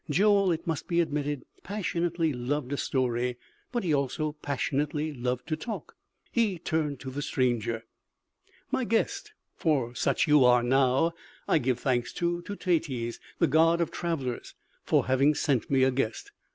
Joel (it must be admitted) passionately loved a story, but he also passionately loved to talk. He turned to the stranger: "My guest, for such you are now, I give thanks to Teutates, the god of travelers, for having sent me a guest.